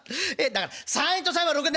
「だから３円と３円は６円」。